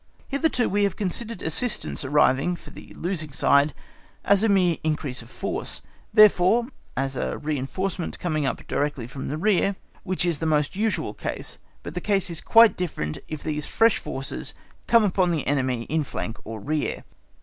Hitherto, we have considered assistance arriving for the losing side as a mere increase of force, therefore, as a reinforcement coming up directly from the rear, which is the most usual case. But the case is quite different if these fresh forces come upon the enemy in flank or rear.